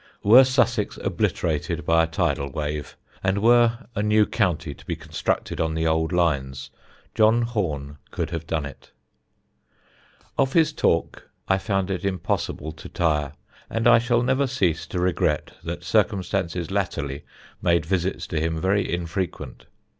Were Sussex obliterated by a tidal wave, and were a new county to be constructed on the old lines, John Horne could have done it. [Sidenote: A SUSSEX ENTHUSIAST] Of his talk I found it impossible to tire, and I shall never cease to regret that circumstances latterly made visits to him very infrequent.